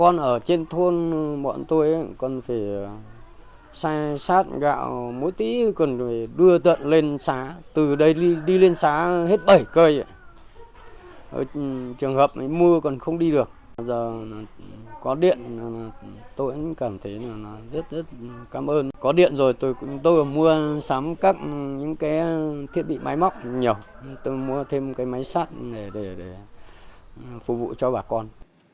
những cái thiết bị máy móc nhiều tôi mua thêm cái máy sắt để phục vụ cho bà con